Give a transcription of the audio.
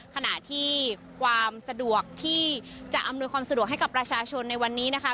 ขณะที่ความสะดวกที่จะอำนวยความสะดวกให้กับประชาชนในวันนี้นะคะ